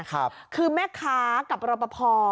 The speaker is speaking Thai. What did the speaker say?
คือแม่ค้ากับรอปภ